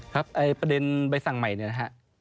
ครับประเด็นใบสั่งใหม่เนี่ยนะฮะ